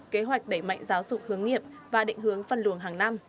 kế hoạch đẩy mạnh giáo dục hướng nghiệp và định hướng phân luồng hàng năm